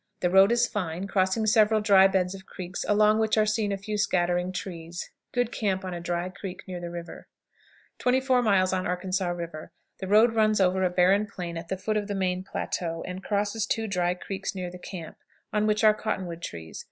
The road is fine, crossing several dry beds of creeks, along which are seen a few scattering trees. Good camp on a dry creek near the river. 24. Arkansas River. The road runs over a barren plain at the foot of the main plateau, and crosses two dry creeks near the camp, on which are cottonwood trees.